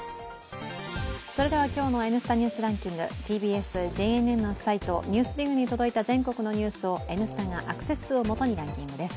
それでは今日の「Ｎスタ・ニュースランキング」ＴＢＳ・ＪＮＮのサイトＮＥＷＳＤＩＧに届いた全国のニュースを「Ｎスタ」がアクセス数を元にランキングです。